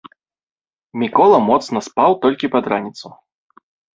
Мікола моцна спаў толькі пад раніцу.